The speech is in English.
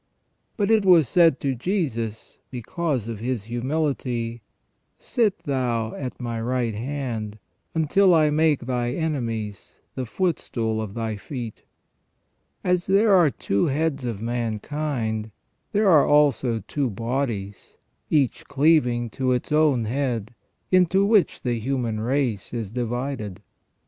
But it was said to Jesus, because of His humility :" Sit Thou at My right hand, until I make Thy enemies the footstool of Thy feet ".* As there are two heads of mankind, there are also two bodies, each cleaving to its own head, into which the human race is divided.